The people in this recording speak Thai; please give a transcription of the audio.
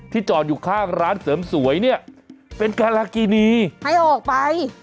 จอดอยู่ข้างร้านเสริมสวยเนี่ยเป็นการากินีให้ออกไป